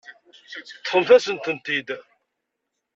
Ṭṭfemt-asen-tent-id.